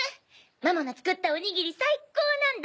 ママが作ったおにぎり最高なんだ。